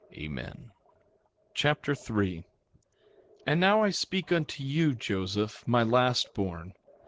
Amen. 2 Nephi Chapter 3 3:1 And now I speak unto you, Joseph, my last born.